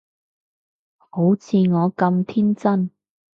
好似我咁天真